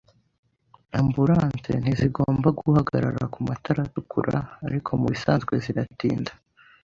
Ambulanse ntizigomba guhagarara kumatara atukura, ariko mubisanzwe ziratinda.